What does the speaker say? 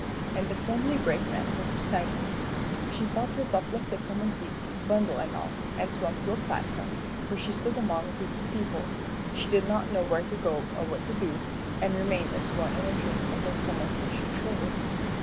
and the friendly brakeman was beside her. She felt herself lifted from her seat, bundle and all, and swung to a platform, where she stood among a group of people. She did not know where to go or what to do, and remained as one in a dream until some one touched her shoulder.